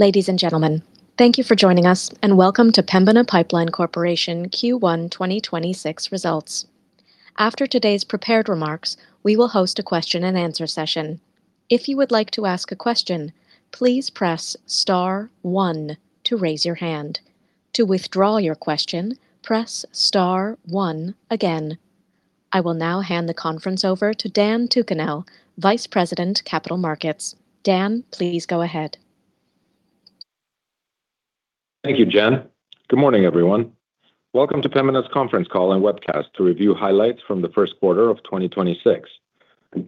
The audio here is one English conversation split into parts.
Ladies and gentlemen, thank you for joining us and welcome to Pembina Pipeline Corporation Q1 2026 results. After today's prepared remarks, we will host a question and answer session. If you would like to ask a question please press star one to raise your hand. To withdraw your question press star one again. I will now hand the conference over to Dan Tucunel, Vice President, Capital Markets. Dan, please go ahead. Thank you, Jen. Good morning, everyone. Welcome to Pembina's conference call and webcast to review highlights from the first quarter of 2026.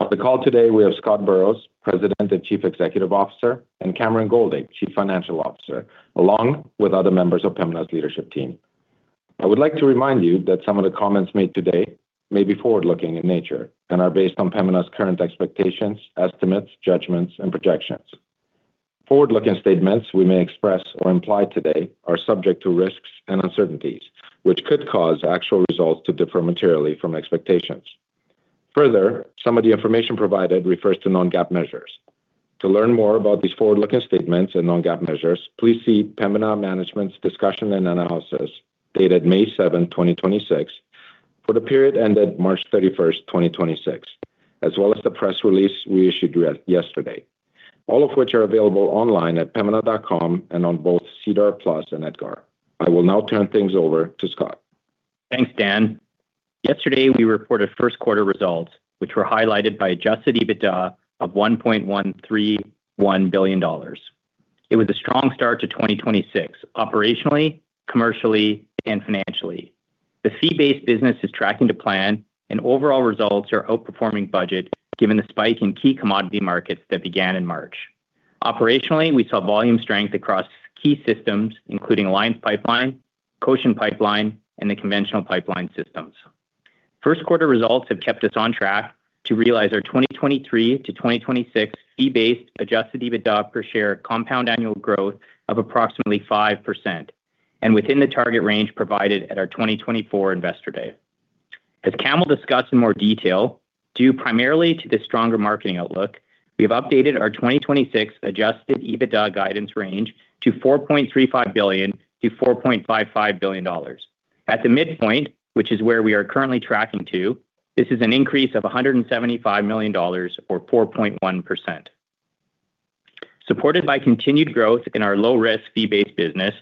On the call today, we have Scott Burrows, President and Chief Executive Officer, and Cameron Goldade, Chief Financial Officer, along with other members of Pembina's leadership team. I would like to remind you that some of the comments made today may be forward-looking in nature and are based on Pembina's current expectations, estimates, judgments, and projections. Forward-looking statements we may express or imply today are subject to risks and uncertainties, which could cause actual results to differ materially from expectations. Some of the information provided refers to non-GAAP measures. To learn more about these forward-looking statements and non-GAAP measures, please see Pembina Management's discussion and analysis dated May 7, 2026, for the period ended March 31st, 2026. As well as the press release we issued yesterday. All of which are available online at pembina.com and on both SEDAR+ and EDGAR. I will now turn things over to Scott. Thanks, Dan Yesterday, we reported first quarter results, which were highlighted by adjusted EBITDA of 1.131 billion dollars. It was a strong start to 2026 operationally, commercially, and financially. The fee-based business is tracking to plan and overall results are outperforming budget given the spike in key commodity markets that began in March. Operationally, we saw volume strength across key systems, including Alliance Pipeline, Cochin Pipeline, and the conventional pipeline systems. First quarter results have kept us on track to realize our 2023-2026 fee-based adjusted EBITDA per share compound annual growth of approximately 5% and within the target range provided at our 2024 investor day. As Cam will discuss in more detail, due primarily to the stronger marketing outlook, we have updated our 2026 adjusted EBITDA guidance range to 4.35 billion-4.55 billion dollars. At the midpoint, which is where we are currently tracking to, this is an increase of 175 million dollars or 4.1%. Supported by continued growth in our low-risk fee-based business,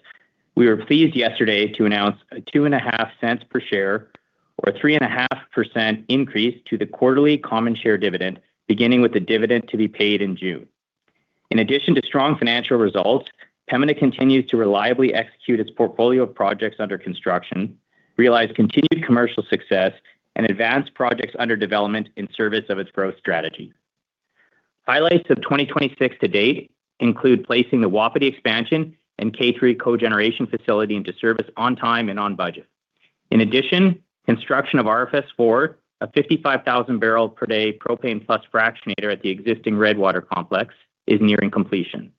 we were pleased yesterday to announce a 0.025 per share or 3.5% increase to the quarterly common share dividend, beginning with the dividend to be paid in June. In addition to strong financial results, Pembina continues to reliably execute its portfolio of projects under construction, realize continued commercial success, and advance projects under development in service of its growth strategy. Highlights of 2026 to date include placing the Wapiti expansion and K3 cogeneration facility into service on time and on budget. In addition, construction of RFS IV, a 55,000 barrel per day propane plus fractionator at the existing Redwater complex, is nearing completion.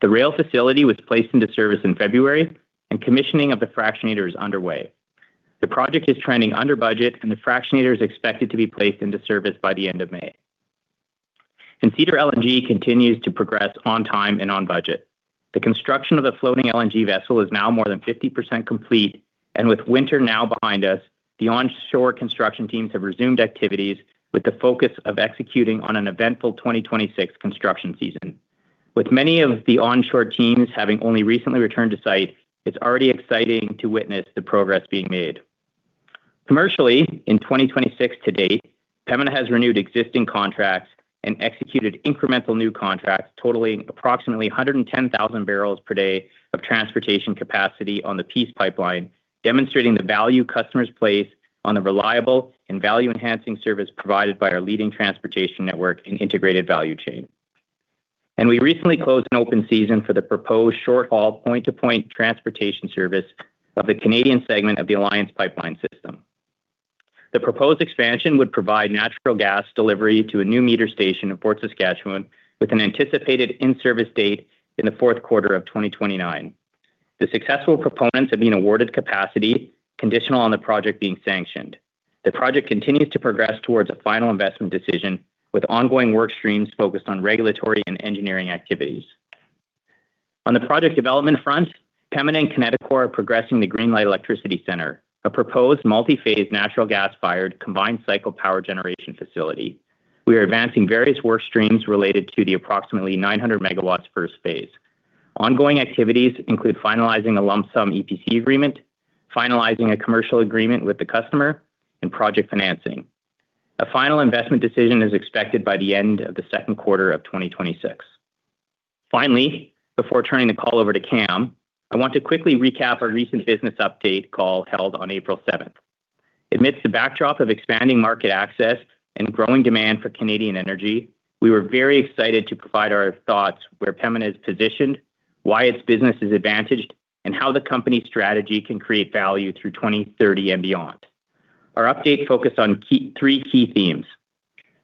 The rail facility was placed into service in February and commissioning of the fractionator is underway. The project is trending under budget, and the fractionator is expected to be placed into service by the end of May. Cedar LNG continues to progress on time and on budget. The construction of the floating LNG vessel is now more than 50% complete, and with winter now behind us, the onshore construction teams have resumed activities with the focus of executing on an eventful 2026 construction season. With many of the onshore teams having only recently returned to site, it's already exciting to witness the progress being made. Commercially, in 2026 to date, Pembina has renewed existing contracts and executed incremental new contracts totaling approximately 110,000 barrels per day of transportation capacity on the Peace Pipeline, demonstrating the value customers place on the reliable and value-enhancing service provided by our leading transportation network and integrated value chain. We recently closed an open season for the proposed short-haul point-to-point transportation service of the Canadian segment of the Alliance Pipeline System. The proposed expansion would provide natural gas delivery to a new meter station in Fort Saskatchewan with an anticipated in-service date in the fourth quarter of 2029. The successful proponents have been awarded capacity conditional on the project being sanctioned. The project continues to progress towards a final investment decision with ongoing work streams focused on regulatory and engineering activities. On the project development front, Pembina and Kineticor are progressing the Greenlight Electricity Centre, a proposed multi-phase natural gas-fired combined cycle power generation facility. We are advancing various work streams related to the approximately 900 MW per space. Ongoing activities include finalizing a lump sum EPC agreement, finalizing a commercial agreement with the customer, and project financing. A final investment decision is expected by the end of the second quarter of 2026. Finally, before turning the call over to Cam, I want to quickly recap our recent business update call held on April 7th. Amidst the backdrop of expanding market access and growing demand for Canadian energy, we were very excited to provide our thoughts where Pembina is positioned, why its business is advantaged, and how the company's strategy can create value through 2030 and beyond. Our update focused on 3 key themes.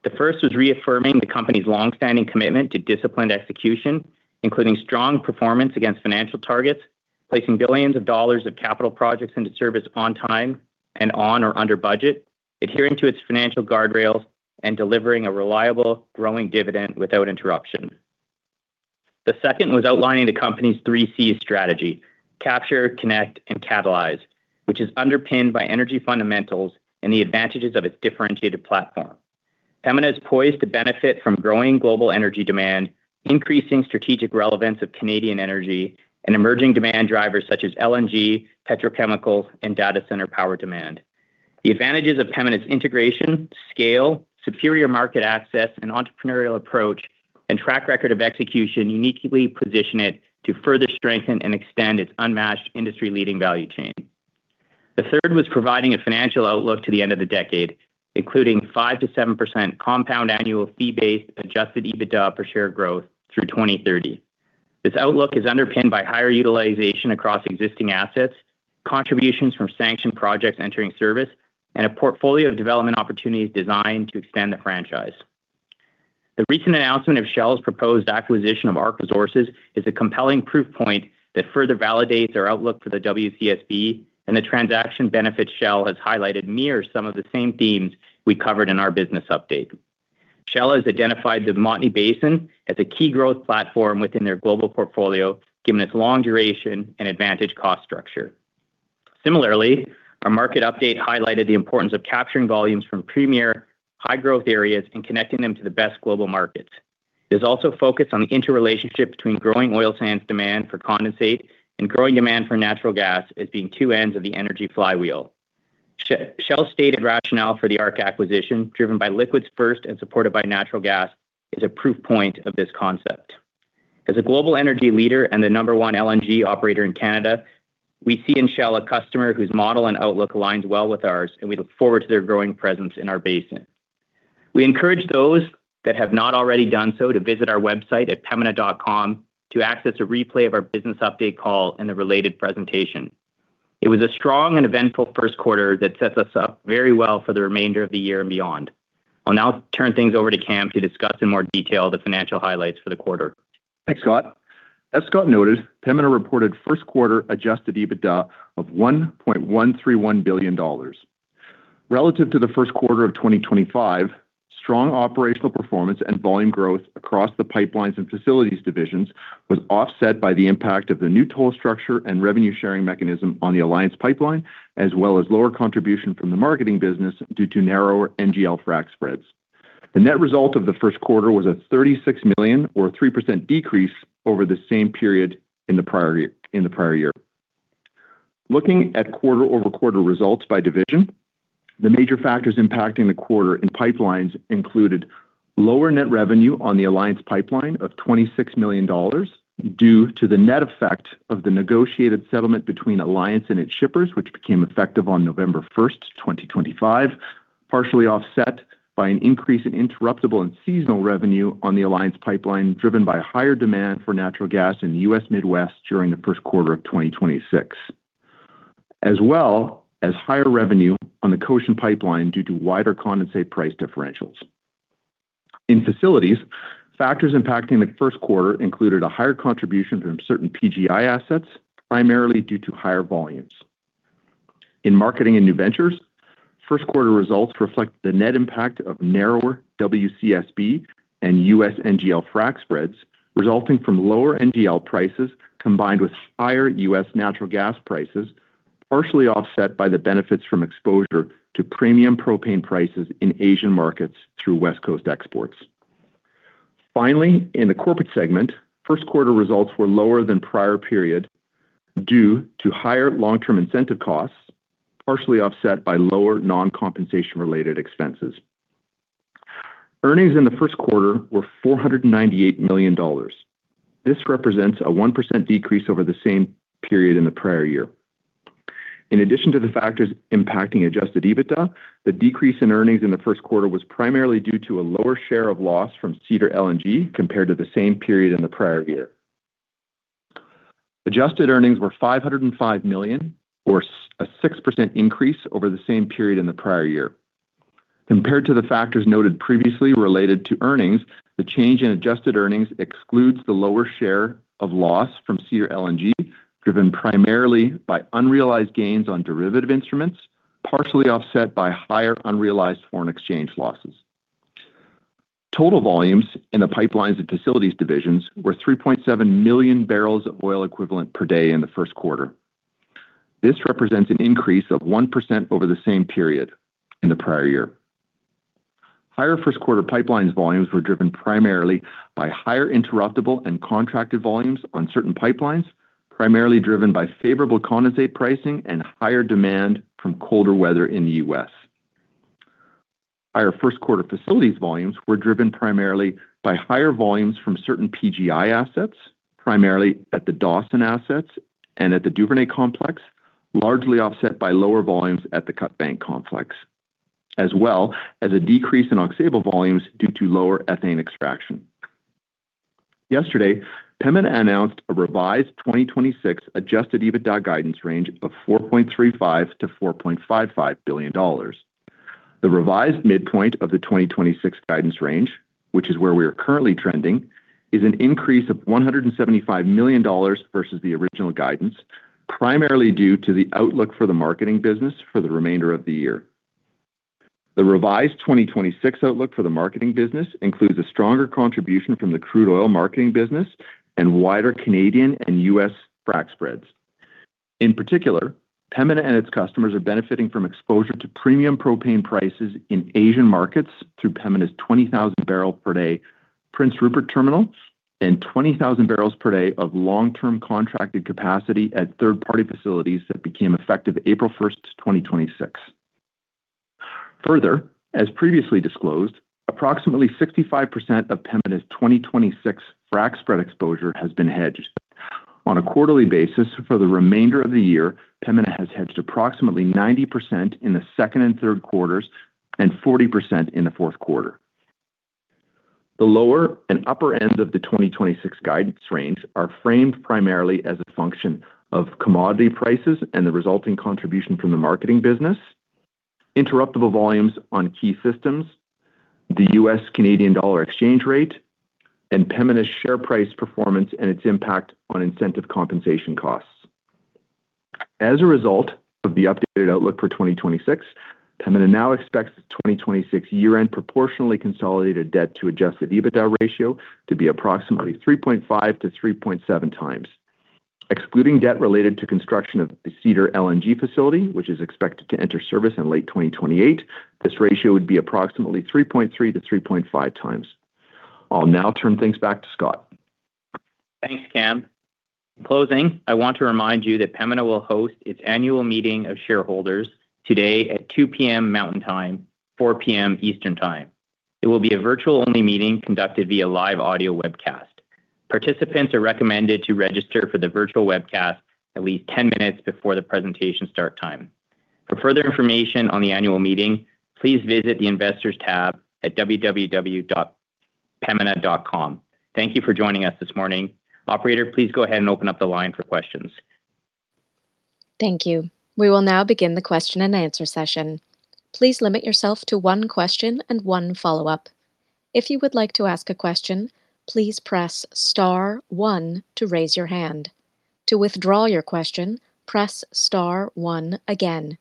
The first was reaffirming the company's long-standing commitment to disciplined execution, including strong performance against financial targets. Placing billions of capital projects into service on time and on or under budget, adhering to its financial guardrails and delivering a reliable, growing dividend without interruption. The second was outlining the company's three C strategy, Capture, Connect, and Catalyze, which is underpinned by energy fundamentals and the advantages of its differentiated platform. Pembina is poised to benefit from growing global energy demand, increasing strategic relevance of Canadian energy and emerging demand drivers such as LNG, petrochemical and data center power demand. The advantages of Pembina's integration, scale, superior market access and entrepreneurial approach and track record of execution uniquely position it to further strengthen and extend its unmatched industry-leading value chain. The third was providing a financial outlook to the end of the decade, including 5%-7% compound annual fee-based adjusted EBITDA per share growth through 2030. This outlook is underpinned by higher utilization across existing assets, contributions from sanctioned projects entering service, and a portfolio of development opportunities designed to extend the franchise. The recent announcement of Shell's proposed acquisition of ARC Resources is a compelling proof point that further validates our outlook for the WCSB, and the transaction benefit Shell has highlighted mirrors some of the same themes we covered in our business update. Shell has identified the Montney Basin as a key growth platform within their global portfolio, given its long duration and advantage cost structure. Similarly, our market update highlighted the importance of capturing volumes from premier high-growth areas and connecting them to the best global markets. There's also focus on the interrelationship between growing oil sands demand for condensate and growing demand for natural gas as being two ends of the energy flywheel. Shell stated rationale for the ARC acquisition, driven by liquids first and supported by natural gas, is a proof point of this concept. As a global energy leader and the number one LNG operator in Canada, we see in Shell a customer whose model and outlook aligns well with ours, and we look forward to their growing presence in our basin. We encourage those that have not already done so to visit our website at pembina.com to access a replay of our business update call and the related presentation. It was a strong and eventful first quarter that sets us up very well for the remainder of the year and beyond. I'll now turn things over to Cam to discuss in more detail the financial highlights for the quarter. Thanks, Scott. As Scott noted, Pembina reported first quarter adjusted EBITDA of 1.131 billion dollars. Relative to the first quarter of 2025, strong operational performance and volume growth across the pipelines and facilities divisions was offset by the impact of the new toll structure and revenue sharing mechanism on the Alliance Pipeline, as well as lower contribution from the marketing business due to narrower NGL frac spreads. The net result of the first quarter was a 36 million or 3% decrease over the same period in the prior year. Looking at quarter-over-quarter results by division, the major factors impacting the quarter in pipelines included lower net revenue on the Alliance Pipeline of 26 million dollars due to the net effect of the negotiated settlement between Alliance and its shippers, which became effective on November 1st, 2025, partially offset by an increase in interruptible and seasonal revenue on the Alliance Pipeline, driven by higher demand for natural gas in the U.S. Midwest during the first quarter of 2026. As well as higher revenue on the Cochin Pipeline due to wider condensate price differentials. In facilities, factors impacting the first quarter included a higher contribution from certain PGI assets, primarily due to higher volumes. In marketing and new ventures, first quarter results reflect the net impact of narrower WCSB and U.S. NGL frac spreads, resulting from lower NGL prices combined with higher U.S. natural gas prices, partially offset by the benefits from exposure to premium propane prices in Asian markets through West Coast exports. In the corporate segment, first quarter results were lower than prior period due to higher long-term incentive costs, partially offset by lower non-compensation related expenses. Earnings in the first quarter were 498 million dollars. This represents a 1% decrease over the same period in the prior year. In addition to the factors impacting adjusted EBITDA, the decrease in earnings in the first quarter was primarily due to a lower share of loss from Cedar LNG compared to the same period in the prior year. Adjusted earnings were 505 million or a 6% increase over the same period in the prior year. Compared to the factors noted previously related to earnings, the change in adjusted earnings excludes the lower share of loss from Cedar LNG, driven primarily by unrealized gains on derivative instruments, partially offset by higher unrealized foreign exchange losses. Total volumes in the pipelines and facilities divisions were 3.7 million barrels of oil equivalent per day in the first quarter. This represents an increase of 1% over the same period in the prior year. Higher first quarter pipelines volumes were driven primarily by higher interruptible and contracted volumes on certain pipelines, primarily driven by favorable condensate pricing and higher demand from colder weather in the U.S. Higher first quarter facilities volumes were driven primarily by higher volumes from certain PGI assets, primarily at the Dawson assets and at the Duvernay complex, largely offset by lower volumes at the Cutbank complex, as well as a decrease in Aux Sable volumes due to lower ethane extraction. Yesterday, Pembina announced a revised 2026 adjusted EBITDA guidance range of 4.35 billion-4.55 billion dollars. The revised midpoint of the 2026 guidance range, which is where we are currently trending, is an increase of 175 million dollars versus the original guidance, primarily due to the outlook for the marketing business for the remainder of the year. The revised 2026 outlook for the marketing business includes a stronger contribution from the crude oil marketing business and wider Canadian and U.S. frac spreads. In particular, Pembina and its customers are benefiting from exposure to premium propane prices in Asian markets through Pembina's 20,000 barrel per day Prince Rupert terminal and 20,000 barrels per day of long-term contracted capacity at third-party facilities that became effective April 1, 2026. Further, as previously disclosed, approximately 65% of Pembina's 2026 frac spread exposure has been hedged. On a quarterly basis, for the remainder of the year, Pembina has hedged approximately 90% in the second and third quarters and 40% in the fourth quarter. The lower and upper ends of the 2026 guidance range are framed primarily as a function of commodity prices and the resulting contribution from the marketing business, interruptible volumes on key systems, the U.S. Canadian dollar exchange rate, and Pembina's share price performance and its impact on incentive compensation costs. As a result of the updated outlook for 2026, Pembina now expects the 2026 year-end proportionally consolidated debt to adjusted EBITDA ratio to be approximately 3.5x-3.7x. Excluding debt related to construction of the Cedar LNG facility, which is expected to enter service in late 2028, this ratio would be approximately 3.3x-3.5x. I'll now turn things back to Scott. Thanks, Cam. In closing, I want to remind you that Pembina will host its annual meeting of shareholders today at 2:00 P.M. Mountain Time, 4:00 P.M. Eastern Time. It will be a virtual-only meeting conducted via live audio webcast. Participants are recommended to register for the virtual webcast at least 10 minutes before the presentation start time. For further information on the annual meeting, please visit the Investors tab at www.pembina.com. Thank you for joining us this morning. Operator, please go ahead and open up the line for questions. Thank you. We will now begin the question and answer session. Please limit yourself to one question and one follow-up. If you would like to ask a question, please press star one to raise your hand. To withdraw your question, press star one again.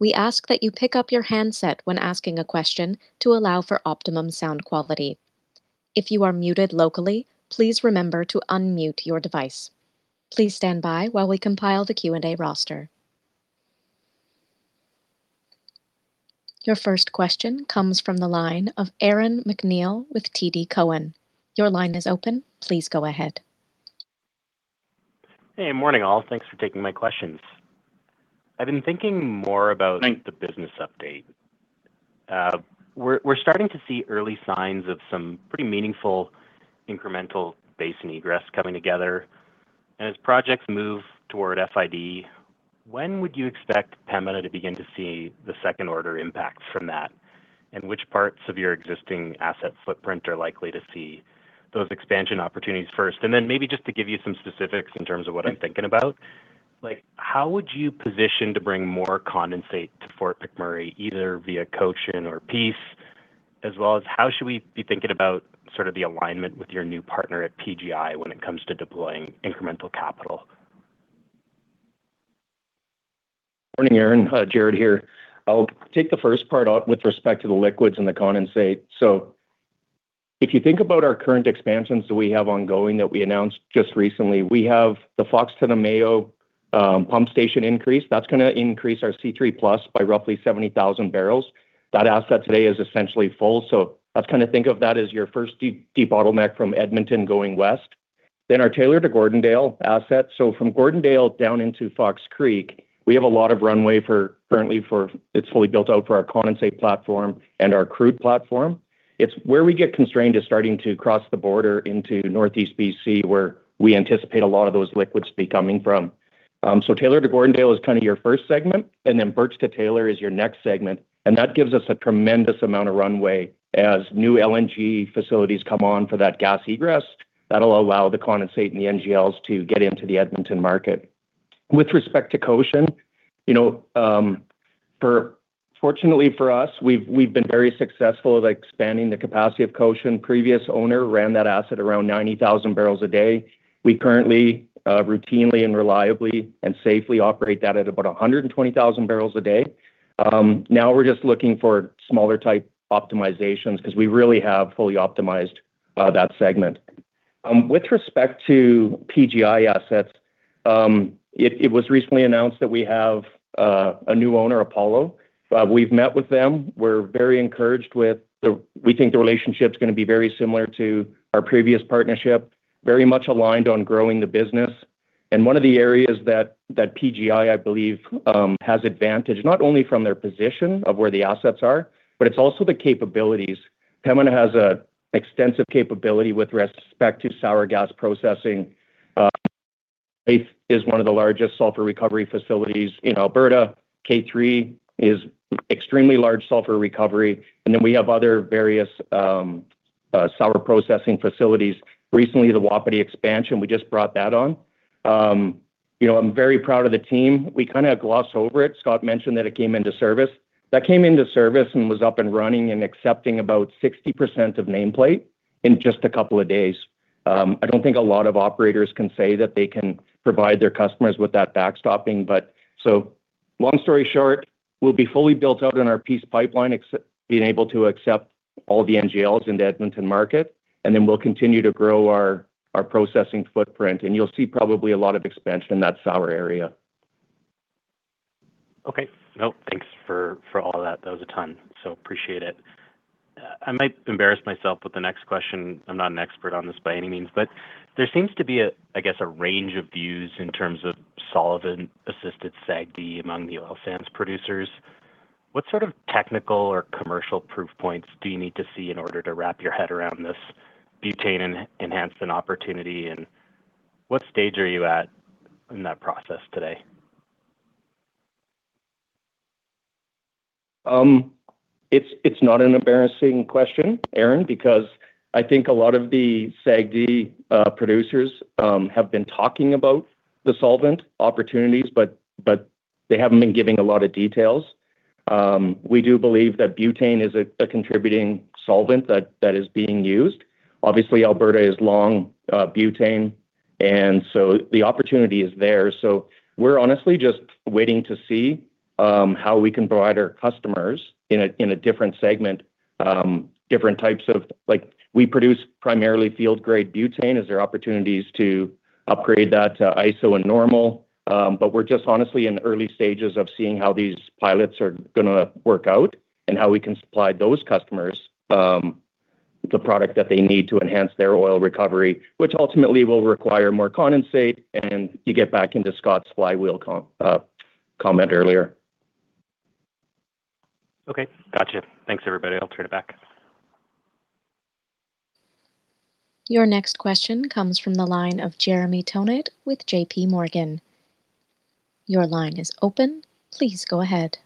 We ask that you pick up your handset when asking a question to allow for optimum sound quality. If you are muted locally, please remember to unmute your device. Please stand by while we compile the Q&A roster. Your first question comes from the line of Aaron MacNeil with TD Cowen. Your line is open. Please go ahead. Hey, morning all. Thanks for taking my questions. I've been thinking more about- Thanks the business update. We're starting to see early signs of some pretty meaningful incremental basin egress coming together. As projects move toward FID, when would you expect Pembina to begin to see the second order impacts from that? Which parts of your existing asset footprint are likely to see those expansion opportunities first? Maybe just to give you some specifics in terms of what I'm thinking about, like, how would you position to bring more condensate to Fort McMurray, either via Cochin or Peace? As well as how should we be thinking about sort of the alignment with your new partner at PGI when it comes to deploying incremental capital? Morning, Aaron. Jaret here. I'll take the first part out with respect to the liquids and the condensate. If you think about our current expansions that we have ongoing that we announced just recently, we have the Fox to the Namao pump station increase. That's going to increase our C3+ by roughly 70,000 barrels. That asset today is essentially full, let's kind of think of that as your first de-bottleneck from Edmonton going west. Our Taylor to Gordondale asset. From Gordondale down into Fox Creek, we have a lot of runway currently for it's fully built out for our condensate platform and our crude platform. It's where we get constrained is starting to cross the border into Northeast B.C., where we anticipate a lot of those liquids to be coming from. Taylor to Gordondale is kind of your first segment. Birch to Taylor is your next segment. That gives us a tremendous amount of runway as new LNG facilities come on for that gas egress. That'll allow the condensate and the NGLs to get into the Edmonton market. With respect to Cochin, you know, fortunately for us, we've been very successful at expanding the capacity of Cochin. Previous owner ran that asset around 90,000 barrels a day. We currently routinely and reliably and safely operate that at about 120,000 barrels a day. Now we're just looking for smaller type optimizations because we really have fully optimized that segment. With respect to PGI assets, it was recently announced that we have a new owner, Apollo. We've met with them. We think the relationship's going to be very similar to our previous partnership, very much aligned on growing the business. One of the areas that PGI, I believe, has advantage, not only from their position of where the assets are, but it's also the capabilities. Pembina has a extensive capability with respect to sour gas processing. Fifth is one of the largest sulfur recovery facilities in Alberta. K3 is extremely large sulfur recovery. We have other various. Sour processing facilities. Recently, the Wapiti expansion, we just brought that on. You know, I'm very proud of the team. We kinda glossed over it. Scott mentioned that it came into service. That came into service and was up and running and accepting about 60% of nameplate in just a couple of days. I don't think a lot of operators can say that they can provide their customers with that backstopping. Long story short, we'll be fully built out in our Peace Pipeline being able to accept all the NGLs in the Edmonton market, and then we'll continue to grow our processing footprint, and you'll see probably a lot of expansion in that sour area. Okay. Nope, thanks for all that. That was a ton. Appreciate it. I might embarrass myself with the next question. I'm not an expert on this by any means. There seems to be a range of views in terms of solvent assisted SAGD among the oil sands producers. What sort of technical or commercial proof points do you need to see in order to wrap your head around this butane enhancement opportunity? What stage are you at in that process today? It's not an embarrassing question, Aaron, because I think a lot of the SAGD producers have been talking about the solvent opportunities, but they haven't been giving a lot of details. We do believe that butane is a contributing solvent that is being used. Obviously, Alberta is long butane, the opportunity is there. We're honestly just waiting to see how we can provide our customers in a different segment, different types of. Like, we produce primarily field-grade butane. Is there opportunities to upgrade that to ISO and normal? We're just honestly in the early stages of seeing how these pilots are gonna work out and how we can supply those customers the product that they need to enhance their oil recovery, which ultimately will require more condensate, and you get back into Scott's flywheel comment earlier. Okay. Gotcha. Thanks, everybody. I'll turn it back. Your next question comes from the line of Jeremy Tonet with JPMorgan. Your line is open. Please go ahead.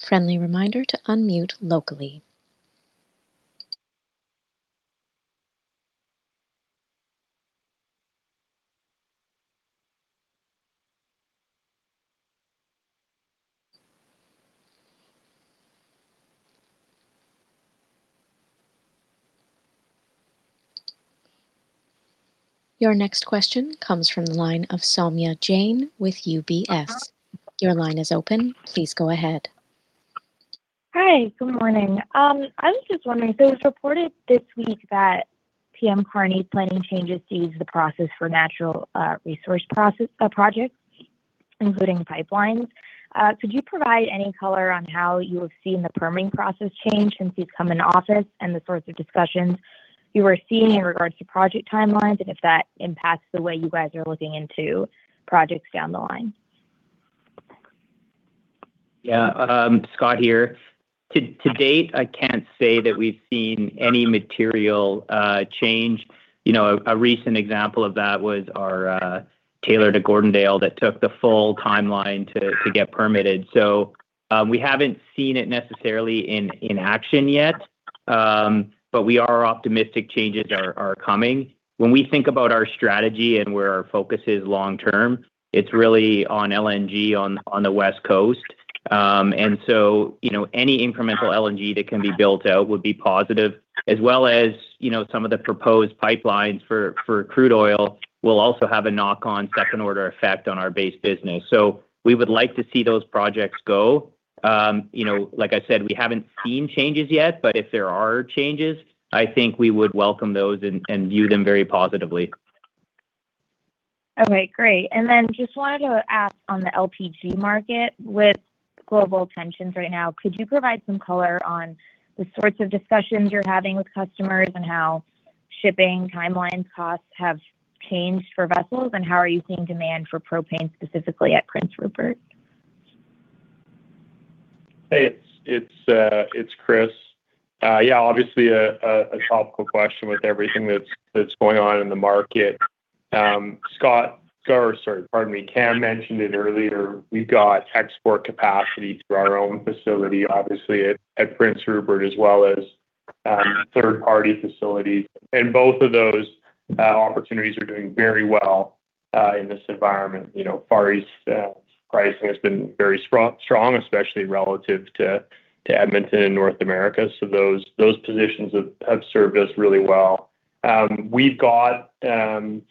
Friendly reminder to unmute locally. Your next question comes from the line of Saumya Jain with UBS. Your line is open. Please go ahead. Hi. Good morning. I was just wondering, it was reported this week that Mark Carney planning changes to ease the process for natural resource projects, including pipelines. Could you provide any color on how you have seen the permitting process change since he's come into office and the sorts of discussions you are seeing in regards to project timelines and if that impacts the way you guys are looking into projects down the line? Yeah. Scott here. To date, I can't say that we've seen any material change. You know, a recent example of that was our Taylor to Gordondale that took the full timeline to get permitted. We haven't seen it necessarily in action yet, but we are optimistic changes are coming. When we think about our strategy and where our focus is long term, it's really on LNG on the West Coast. You know, any incremental LNG that can be built out would be positive. As well as, you know, some of the proposed pipelines for crude oil will also have a knock on second order effect on our base business. We would like to see those projects go. You know, like I said, we haven't seen changes yet. If there are changes, I think we would welcome those and view them very positively. Okay. Great. Then just wanted to ask on the LPG market. With global tensions right now, could you provide some color on the sorts of discussions you're having with customers and how shipping timeline costs have changed for vessels, and how are you seeing demand for propane specifically at Prince Rupert? It's Chris. Yeah, obviously a topical question with everything that's going on in the market. Scott, or sorry, pardon me, Cam mentioned it earlier. We've got export capacity through our own facility, obviously at Prince Rupert as well as third-party facilities. Both of those opportunities are doing very well in this environment. You know, Far East pricing has been very strong, especially relative to Edmonton and North America, so those positions have served us really well. We've got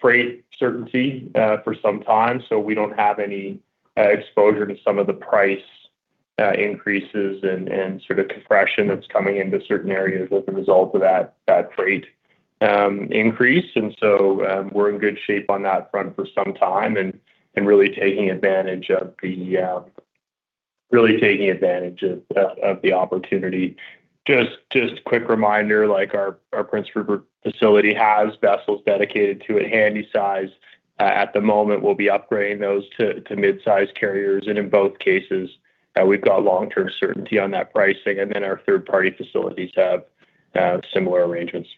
freight certainty for some time, so we don't have any exposure to some of the price increases and sort of compression that's coming into certain areas as a result of that freight increase. We're in good shape on that front for some time and really taking advantage of the opportunity. Just quick reminder, like, our Prince Rupert facility has vessels dedicated to it, handy size. At the moment we'll be upgrading those to midsize carriers. In both cases, we've got long-term certainty on that pricing, and then our third-party facilities have similar arrangements.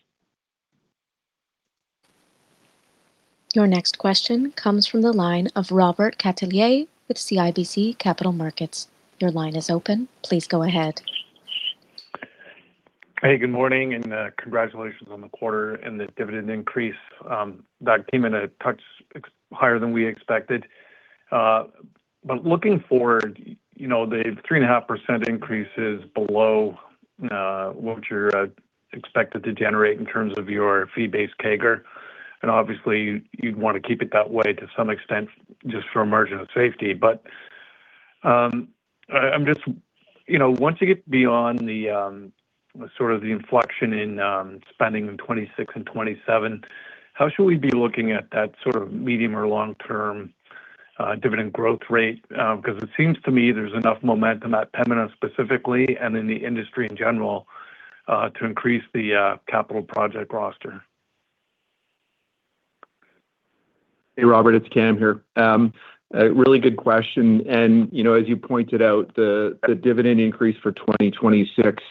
Your next question comes from the line of Robert Catellier with CIBC Capital Markets. Your line is open. Please go ahead. Hey, good morning, congratulations on the quarter and the dividend increase. That came in a touch ex-higher than we expected. Looking forward, you know, the 3.5% increase is below what you're expected to generate in terms of your fee-based CAGR. Obviously you'd wanna keep it that way to some extent just for a margin of safety. I'm just, you know, once you get beyond the sort of the inflection in spending in 2026 and 2027, how should we be looking at that sort of medium or long-term dividend growth rate? Because it seems to me there's enough momentum at Pembina specifically and in the industry in general to increase the capital project roster. Hey, Robert, it's Cam here. A really good question. You know, as you pointed out, the dividend increase for 2026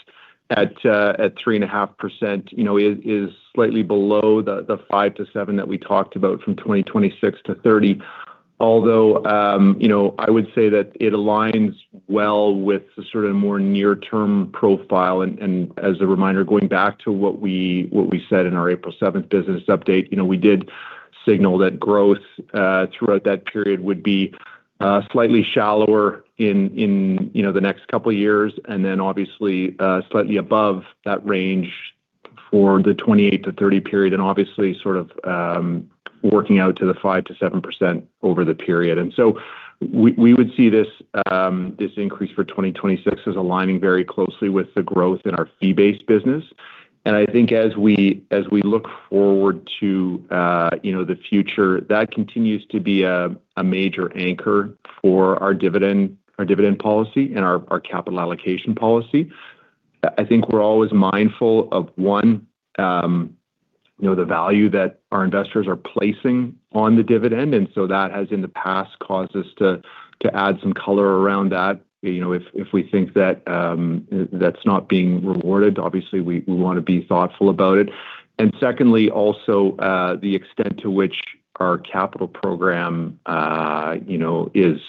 at 3.5%, you know, is slightly below the 5%- 7% that we talked about from 2026-2030. You know, I would say that it aligns well with the sort of more near-term profile. As a reminder, going back to what we said in our April 7th business update, you know, we did signal that growth throughout that period would be slightly shallower in, you know, the next couple years and then obviously slightly above that range for the 2028-2030 period and obviously sort of working out to the 5% to 7% over the period. We, we would see this increase for 2026 as aligning very closely with the growth in our fee-based business. I think as we, as we look forward to, you know, the future, that continues to be a major anchor for our dividend, our dividend policy and our capital allocation policy. I think we're always mindful of, one, you know, the value that our investors are placing on the dividend, and so that has, in the past, caused us to add some color around that. You know, if we think that's not being rewarded, obviously we wanna be thoughtful about it. Secondly, also, the extent to which our capital program, you know, is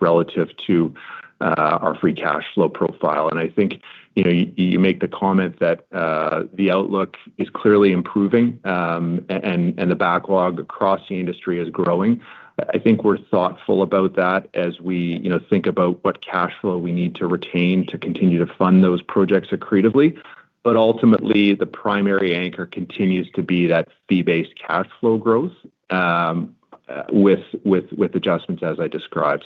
relative to our free cash flow profile. I think, you know, you make the comment that the outlook is clearly improving, and the backlog across the industry is growing. I think we're thoughtful about that as we, you know, think about what cash flow we need to retain to continue to fund those projects accretively. Ultimately, the primary anchor continues to be that fee-based cash flow growth, with adjustments as I described.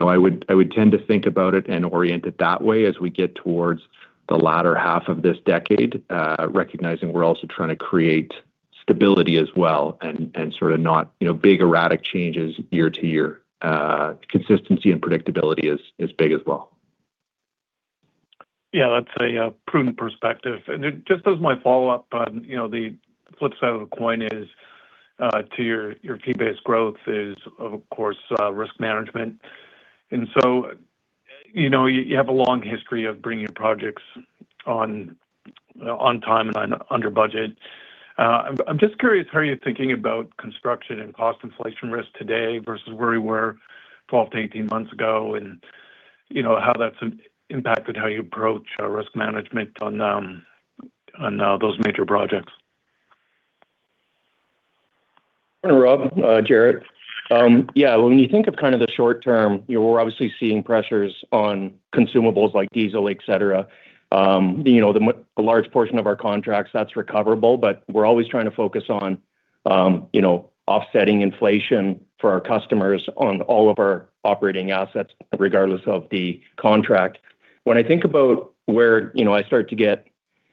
I would tend to think about it and orient it that way as we get towards the latter half of this decade, recognizing we're also trying to create stability as well and sort of not, you know, big erratic changes year to year. Consistency and predictability is big as well. Yeah, that's a prudent perspective. Just as my follow-up, you know, the flip side of the coin is to your fee-based growth is of course risk management. So, you know, you have a long history of bringing projects on on time and under budget. I'm just curious, how are you thinking about construction and cost inflation risk today versus where we were 12-18 months ago and, you know, how that's impacted how you approach risk management on on those major projects? Rob, Jaret. Yeah, when you think of kind of the short term, you know, we're obviously seeing pressures on consumables like diesel, et cetera. You know, a large portion of our contracts, that's recoverable, but we're always trying to focus on, offsetting inflation for our customers on all of our operating assets, regardless of the contract. When I think about where, you know, I start to get,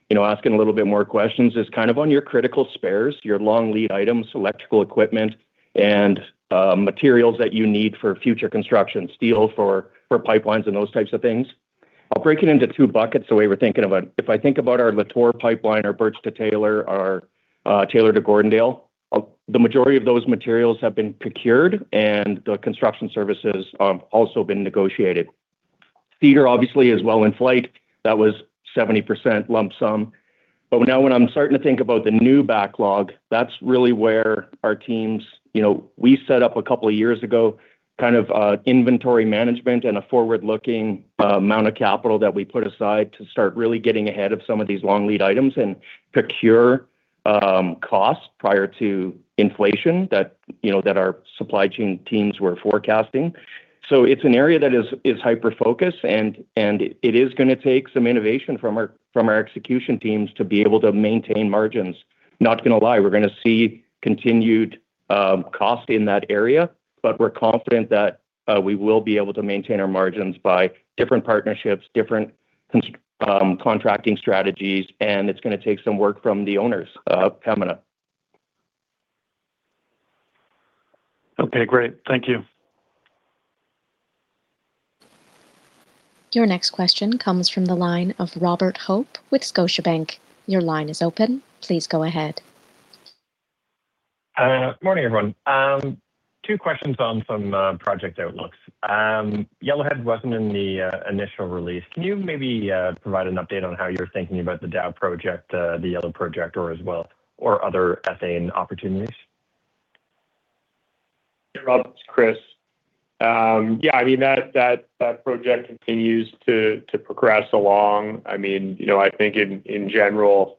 you know, asking a little bit more questions is kind of on your critical spares, your long lead items, electrical equipment, and materials that you need for future construction, steel for pipelines and those types of things. I'll break it into two buckets, the way we're thinking about it. If I think about our Latour pipeline or Birch to Taylor or Taylor to Gordondale, the majority of those materials have been procured and the construction services also been negotiated. Cedar obviously is well in flight. That was 70% lump sum. Now when I'm starting to think about the new backlog, that's really where our teams, you know, we set up a couple of years ago kind of inventory management and a forward-looking amount of capital that we put aside to start really getting ahead of some of these long lead items and procure costs prior to inflation that, you know, that our supply chain teams were forecasting. It's an area that is hyper-focused, and it is gonna take some innovation from our execution teams to be able to maintain margins. Not gonna lie, we're gonna see continued cost in that area, but we're confident that we will be able to maintain our margins by different partnerships, different contracting strategies, and it's gonna take some work from the owners coming up. Okay, great. Thank you. Your next question comes from the line of Robert Hope with Scotiabank. Your line is open. Please go ahead. Morning, everyone. Two questions on some project outlooks. Yellowhead wasn't in the initial release. Can you maybe provide an update on how you're thinking about the Dow project, the Yellowhead project or as well, or other ethane opportunities? Rob, it's Chris. Yeah, I mean, that project continues to progress along. I mean, you know, I think in general,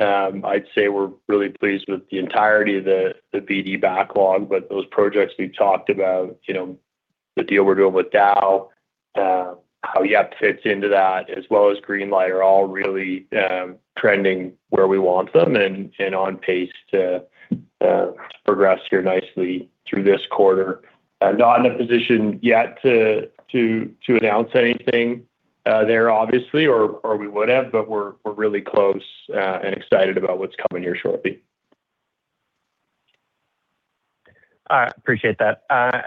I'd say we're really pleased with the entirety of the BD backlog. Those projects we talked about, you know, the deal we're doing with Dow, how Yellowhead fits into that as well as Greenlight are all really trending where we want them and on pace to progress here nicely through this quarter. Not in a position yet to announce anything there obviously or we would have. We're really close and excited about what's coming here shortly. All right. Appreciate that.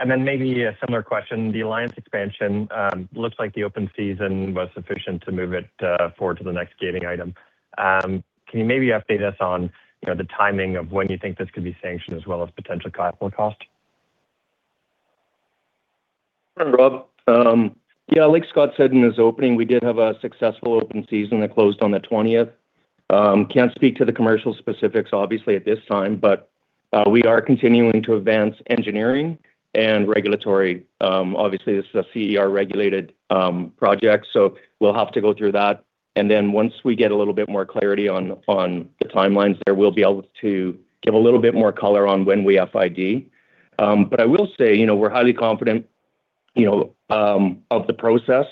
Maybe a similar question. The Alliance expansion, looks like the open season was sufficient to move it forward to the next gating item. Can you maybe update us on, you know, the timing of when you think this could be sanctioned as well as potential capital cost? Rob. Yeah, like Scott said in his opening, we did have a successful open season that closed on the 20th. Can't speak to the commercial specifics obviously at this time, we are continuing to advance engineering and regulatory. Obviously this is a CER-regulated project, we'll have to go through that. Once we get a little bit more clarity on the timelines there, we'll be able to give a little bit more color on when we FID. I will say, you know, we're highly confident, you know, of the process.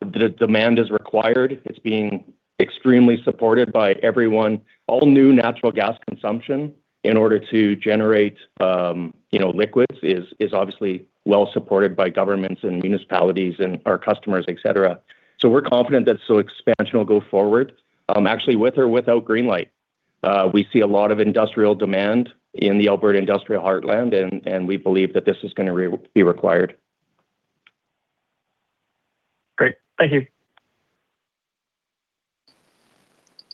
The demand is required. It's being extremely supported by everyone. All new natural gas consumption in order to generate, you know, liquids is obviously well supported by governments and municipalities and our customers, et cetera. We're confident that slow expansion will go forward, actually with or without Greenlight. We see a lot of industrial demand in the Alberta industrial heartland and we believe that this is gonna be required. Great. Thank you.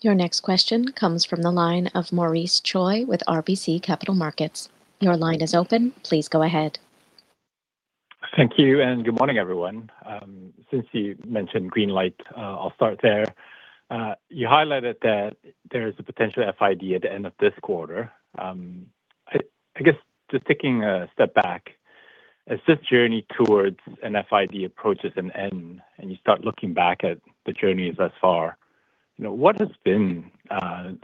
Your next question comes from the line of Maurice Choy with RBC Capital Markets. Your line is open. Please go ahead. Thank you, and good morning, everyone. Since you mentioned Greenlight, I'll start there. You highlighted that there is a potential FID at the end of this quarter. I guess just taking a step back, as this journey towards an FID approaches an end and you start looking back at the journey thus far, you know, what has been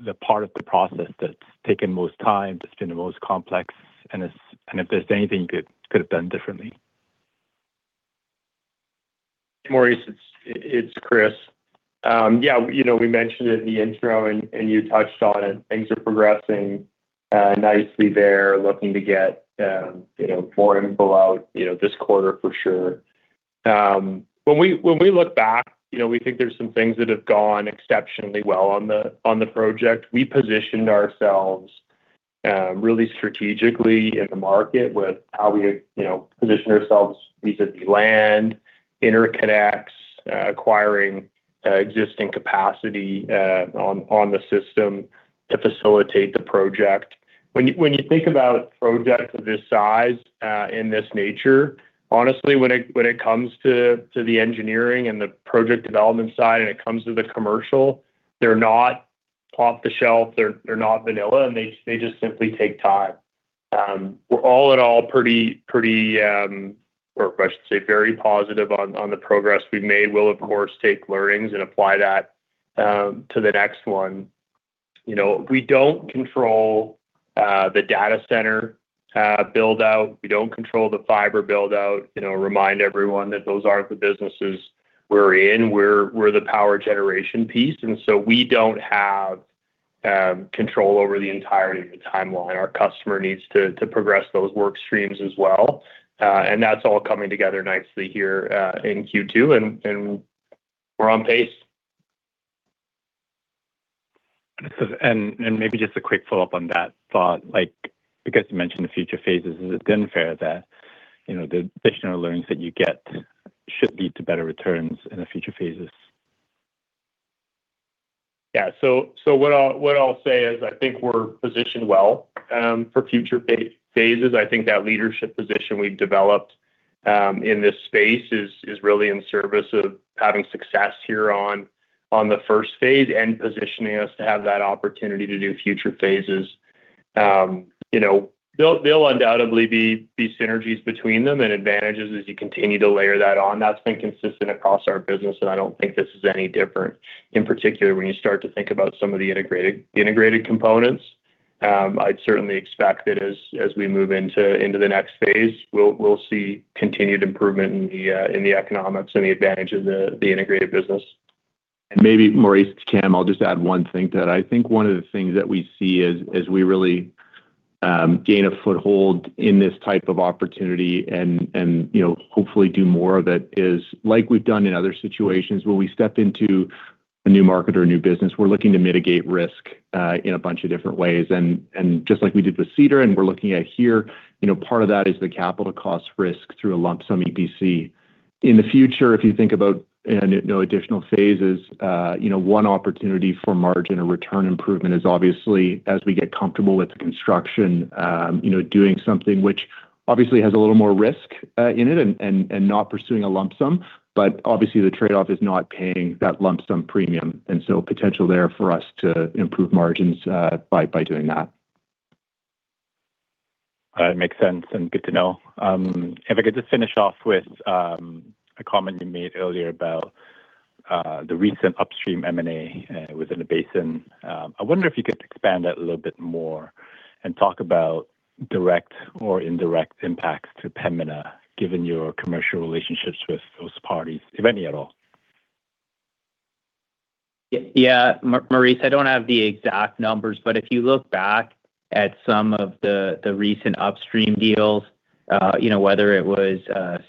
the part of the process that's taken most time, that's been the most complex, and if there's anything you could have done differently? Maurice, it's Chris. Yeah, you know, we mentioned it in the intro and you touched on it. Things are progressing nicely there. Looking to get, you know, more info out, you know, this quarter for sure. When we look back, you know, we think there's some things that have gone exceptionally well on the project. We positioned ourselves really strategically in the market with how we, you know, positioned ourselves vis-à-vis land, interconnects, acquiring existing capacity on the system to facilitate the project. When you think about projects of this size and this nature, honestly, when it comes to the engineering and the project development side and it comes to the commercial, they're not off the shelf, they're not vanilla, and they just simply take time. We're all in all pretty, or I should say very positive on the progress we've made. We'll of course take learnings and apply that to the next one. You know, we don't control the data center build-out. We don't control the fiber build-out. You know, remind everyone that those aren't the businesses we're in. We're the power generation piece, and so we don't have control over the entirety of the timeline. Our customer needs to progress those work streams as well. That's all coming together nicely here in Q2 and we're on pace. Maybe just a quick follow-up on that thought, like, because you mentioned the future phases, is it then fair that, you know, the additional learnings that you get should lead to better returns in the future phases? What I'll say is I think we're positioned well for future phases. I think that leadership position we've developed in this space is really in service of having success here on the first phase and positioning us to have that opportunity to do future phases. You know, there'll undoubtedly be synergies between them and advantages as you continue to layer that on. That's been consistent across our business, and I don't think this is any different. In particular, when you start to think about some of the integrated components, I'd certainly expect that as we move into the next phase, we'll see continued improvement in the economics and the advantage of the integrated business. Maybe, Maurice, Cam, I'll just add one thing to that. I think one of the things that we see as we really gain a foothold in this type of opportunity and, you know, hopefully do more of it is, like we've done in other situations where we step into a new market or a new business, we're looking to mitigate risk in a bunch of different ways. Just like we did with Cedar, and we're looking at here, you know, part of that is the capital cost risk through a lump sum EPC. In the future, if you think about no additional phases, you know, one opportunity for margin or return improvement is obviously as we get comfortable with the construction, you know, doing something which obviously has a little more risk in it and not pursuing a lump sum. Obviously the trade-off is not paying that lump sum premium. Potential there for us to improve margins by doing that. Makes sense and good to know. If I could just finish off with a comment you made earlier about the recent upstream M&A within the basin. I wonder if you could expand that a little bit more and talk about direct or indirect impacts to Pembina, given your commercial relationships with those parties, if any at all. Maurice, I don't have the exact numbers, but if you look back at some of the recent upstream deals, you know, whether it was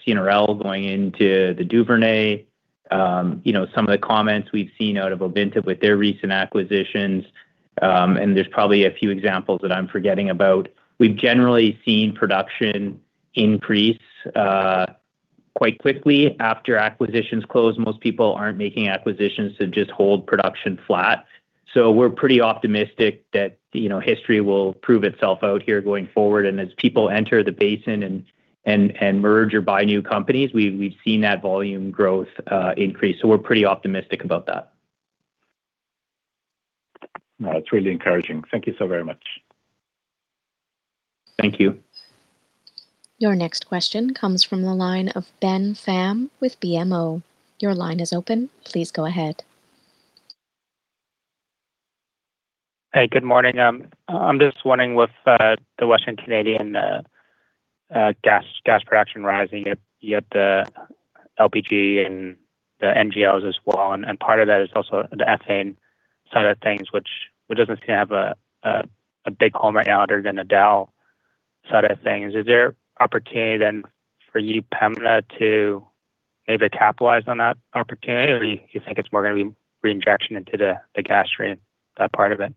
CNRL going into the Duvernay, you know, some of the comments we've seen out of Ovintiv with their recent acquisitions, and there's probably a few examples that I'm forgetting about. We've generally seen production increase quite quickly after acquisitions close. Most people aren't making acquisitions to just hold production flat. We're pretty optimistic that, you know, history will prove itself out here going forward. As people enter the basin and merge or buy new companies, we've seen that volume growth increase. We're pretty optimistic about that. No, that's really encouraging. Thank you so very much. Thank you. Your next question comes from the line of Ben Pham with BMO. Your line is open. Please go ahead. Hey, good morning. I'm just wondering with the Western Canadian gas production rising, yet the LPG and the NGLs as well, and part of that is also the ethane side of things which doesn't seem to have a big home right now other than the Dow side of things. Is there opportunity then for you, Pembina, to maybe capitalize on that opportunity, or you think it's more gonna be reinjection into the gas stream, that part of it?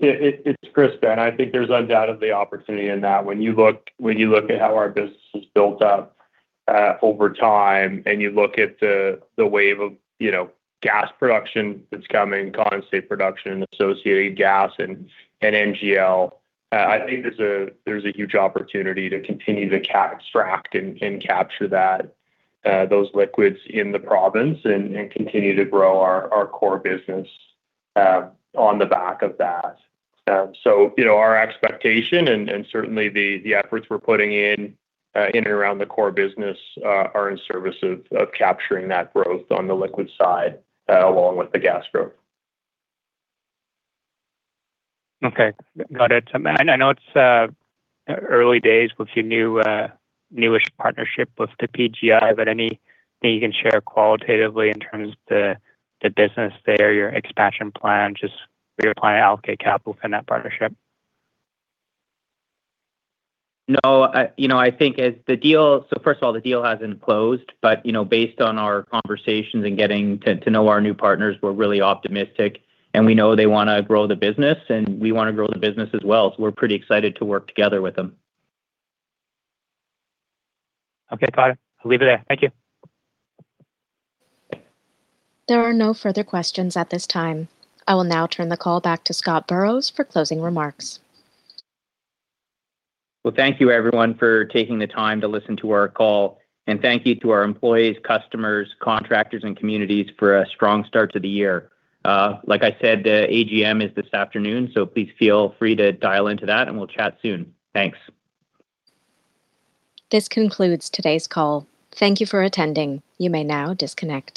It's Chris, Ben. I think there's undoubtedly opportunity in that. When you look, when you look at how our business has built up over time and you look at the wave of, you know, gas production that's coming, condensate production, associated gas and NGL, I think there's a huge opportunity to continue to extract and capture that those liquids in the province and continue to grow our core business on the back of that. So, you know, our expectation and certainly the efforts we're putting in in and around the core business are in service of capturing that growth on the liquid side along with the gas growth. Okay. Got it. I know it's early days with your new, newest partnership with the PGI, but anything you can share qualitatively in terms of the business there, your expansion plan, just where you're planning to allocate capital within that partnership? No, you know, first of all, the deal hasn't closed, but, you know, based on our conversations and getting to know our new partners, we're really optimistic, and we know they wanna grow the business, and we wanna grow the business as well. We're pretty excited to work together with them. Okay, got it. I'll leave it there. Thank you. There are no further questions at this time. I will now turn the call back to Scott Burrows for closing remarks. Well, thank you everyone for taking the time to listen to our call, and thank you to our employees, customers, contractors, and communities for a strong start to the year. like I said, the AGM is this afternoon, so please feel free to dial into that and we'll chat soon. Thanks. This concludes today's call. Thank you for attending. You may now disconnect.